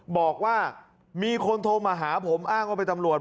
บอกว่ามีคนโทรมาหาผมอ้างว่าเป็นตำรวจ